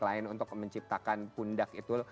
lain untuk menciptakan pundak itu